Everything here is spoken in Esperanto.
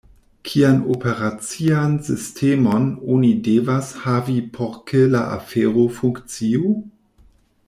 Kian operacian sistemon oni devas havi por ke la afero funkciu?